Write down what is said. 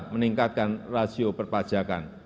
meningkatkan rasio perpajakan